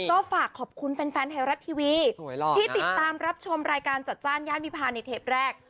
ก็ฝากขอบคุณแฟนไทยรัฐทีวีที่ติดตามรับชมรายการจัดจ้านย่านวิพาในเทปแรก